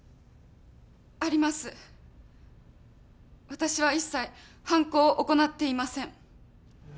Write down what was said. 私は一切犯行を行っていません。